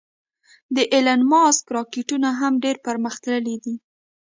د ایلان ماسک راکټونه هم ډېر پرمختللې دې